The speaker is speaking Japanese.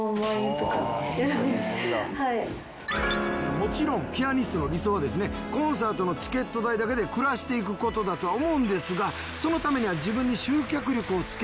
もちろんピアニストの理想はですねコンサートのチケット代だけで暮らしていく事だとは思うんですがそのためには自分に集客力をつけるのが肝心。